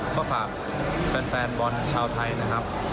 ก็ฝากแฟนบอลชาวไทยนะครับ